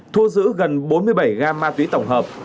thu giữ gần bốn mươi bảy gam ma túy tổng hợp